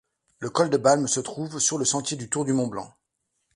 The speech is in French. Le col de Balme se trouve sur le sentier du Tour du Mont-Blanc.